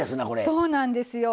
そうなんですよ。